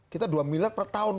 kita dua miliar per tahun